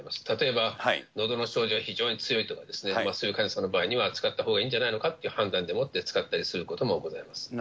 例えばのどの症状が非常に強いとかですね、そういう患者さんの場合には、使った方がいいんじゃないのかという判断によって、使ったりすることもございます。